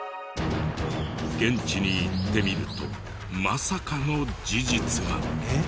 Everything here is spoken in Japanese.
現地に行ってみるとまさかの事実が。